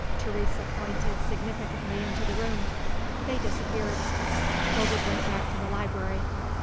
Teresa pointed significantly into the room. They disappeared. Ovid went back to the library.